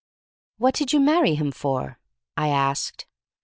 "What did you marry him for?" I asked.